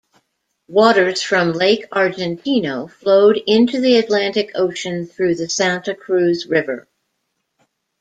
Waters from Lake Argentino flow into the Atlantic Ocean through the Santa Cruz River.